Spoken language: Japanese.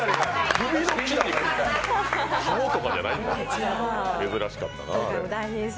顔とかじゃないんだ、珍しかったなあれ。